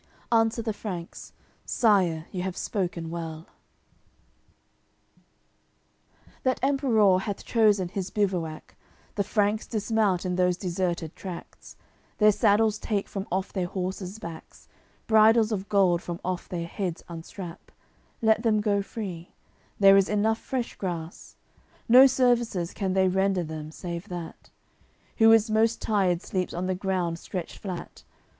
Answer the Franks: "Sire, you have spoken well." AOI. CLXXXII That Emperour hath chosen his bivouac; The Franks dismount in those deserted tracts, Their saddles take from off their horses' backs, Bridles of gold from off their heads unstrap, Let them go free; there is enough fresh grass No service can they render them, save that. Who is most tired sleeps on the ground stretched flat.